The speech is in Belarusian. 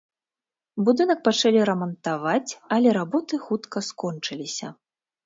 Будынак пачалі рамантаваць, але работы хутка скончыліся.